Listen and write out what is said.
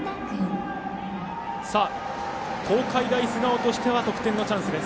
東海大菅生としては得点のチャンスです。